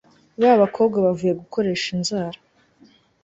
ba bakobwa bavuye gukoresha inzara